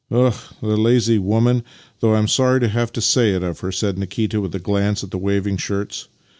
" Ugh, the lazy woman — though I am sorry to have to say it of her! " said Nikita with a glance at the waving shirts.